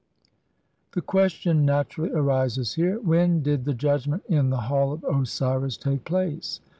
The question naturally arises here :— When did the judgment in the Hall of Osiris take place?